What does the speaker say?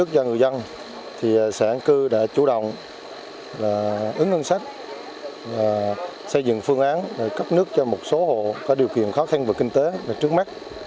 cho người dân sản cư đã chủ động ứng ngân sách xây dựng phương án cấp nước cho một số hộ có điều kiện khó khăn về kinh tế trước mắt